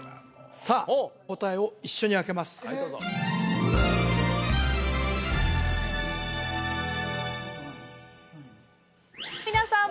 さあお答えを一緒にあけます皆さん